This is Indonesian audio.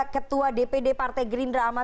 ketua dpd partai green drama